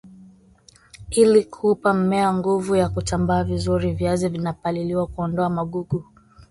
ili kuupa mmea nguvu ya kutambaa vizur viazi vinapaliliwa kuondoa magugu